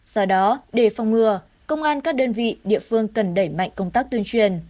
do đó để phòng ngừa công an các đơn vị địa phương cần đẩy mạnh công tác tuyên truyền